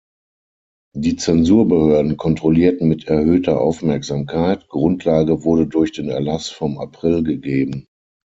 Die Zensurbehörden kontrollierten mit erhöhter Aufmerksamkeit, Grundlage wurde durch den Erlass vom April gegeben.